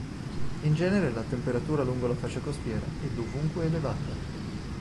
In genere la temperatura lungo la fascia costiera è dovunque elevata.